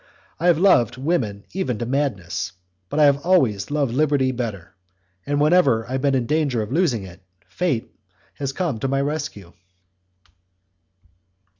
I have loved women even to madness, but I have always loved liberty better; and whenever I have been in danger of losing it fate has come to my rescue.